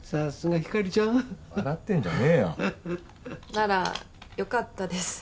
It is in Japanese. ならよかったです。